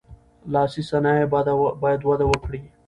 لاسي صنایع باید وده وکړي.